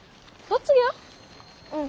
うん。